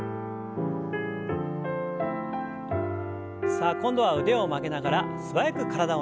さあ今度は腕を曲げながら素早く体をねじります。